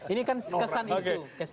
ini kan kesan isu